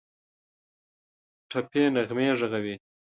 ټپي نغمې ږغوي